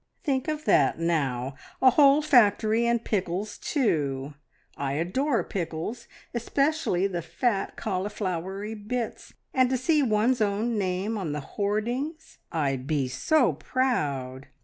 "Think of that now! A whole factory, and pickles, too! I adore pickles, especially the fat, cauliflowery bits. And to see one's own name on the hoardings! I'd be so proud!"